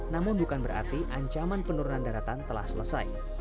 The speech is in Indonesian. namun bukan berarti ancaman penurunan daratan telah selesai